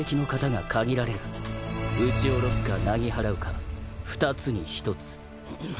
打ち下ろすかなぎ払うか二つに一つ。